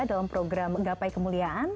dalam program gapai kemuliaan